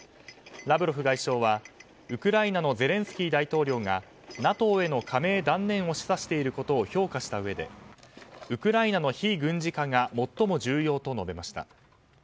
ラブロフ外相はウクライナのゼレンスキー大統領がＮＡＴＯへの加盟断念を示唆していることを評価したうえでウクライナの非軍事化が最も重要と述べました。